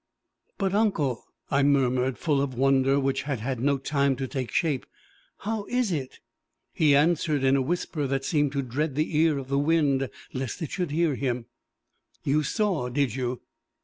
"But, uncle," I murmured, full of wonder which had had no time to take shape, "how is it?" He answered in a whisper that seemed to dread the ear of the wind, lest it should hear him "You saw, did you?"